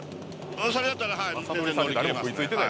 それだったら全然。